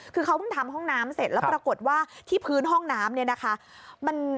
คือเขาเพิ่งทำห้องน้ำเสร็จแล้วปรากฏว่าที่พื้นห้องน้ำเนี่ยนะคะ